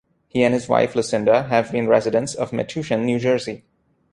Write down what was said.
He and his wife, Lucinda, have been residents of Metuchen, New Jersey.